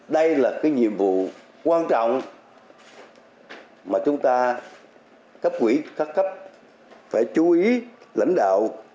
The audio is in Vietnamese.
đây là cái nhiệm vụ quan trọng mà chúng ta cấp quỹ các cấp phải chú ý lãnh đạo